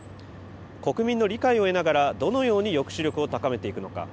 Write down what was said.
国民の理解を得ながら、どのように抑止力を高めていくのか。